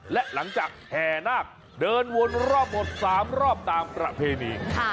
และหลังจากแห่นาคเดินวนรอบหมด๓รอบตามประเพณี